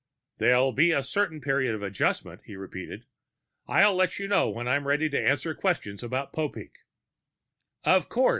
"There'll be a certain period of adjustment," he repeated. "I'll let you know when I'm ready to answer questions about Popeek." "Of course.